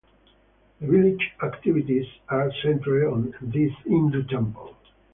The village activities are centered on this Hindu temple.